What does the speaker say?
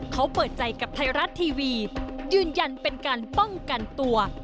เขาเปิดใจกับไทยรัฐทีวียืนยันเป็นการป้องกันตัว